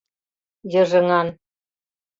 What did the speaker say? йыжыҥан.